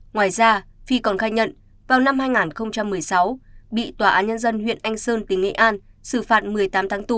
ngoài ra phi còn khai nhận vào năm hai nghìn một mươi sáu bị tòa án nhân dân huyện anh sơn tỉnh nghệ an xử phạt một mươi tám tháng tù